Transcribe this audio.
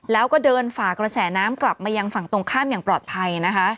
แล้วก็เดินฝากระแสน้ำกลับมายังฝั่งตรงข้ามอย่างปลอดภัยนะคะ